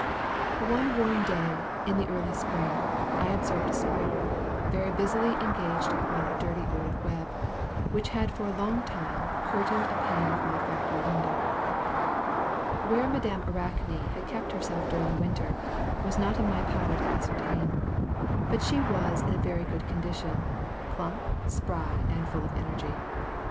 One warm day in the early spring, I observed a spider, very busily engaged upon a dirty old web, which had for a long time, curtained a pane of my factory window. Where Madame Arachne had kept herself during the winter, was not in my power to ascertain; but she was in a very good condition, plump, spry, and full of energy.